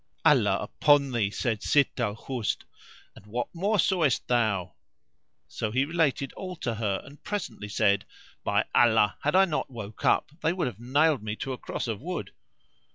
"Allah upon thee," said Sitt al Husn, "and what more sawest thou?" So he related all to her; and presently said, "By Allah had I not woke up they would have nailed me to a cross of wood!"